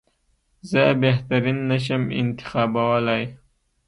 زه بهترین نه شم انتخابولای.